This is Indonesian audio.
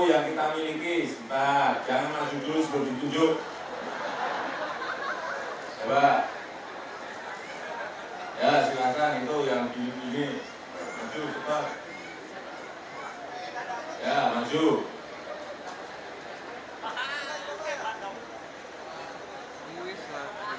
yang kita miliki sempat jangan masuk terus begitu juga ya silakan itu yang ini ya masuk